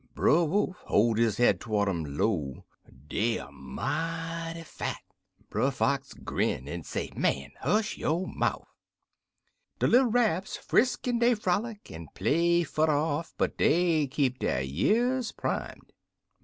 "Brer Wolf ho'd his head to'rds um en 'low, 'Dey er mighty fat.' "Brer Fox grin, en say, 'Man, hush yo' mouf!' "De little Rabs frisk en dey frolic, en play furder off, but dey keep der years primed.